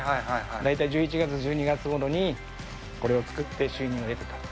大体１１月１２月頃にこれを作って収入を得ていたと。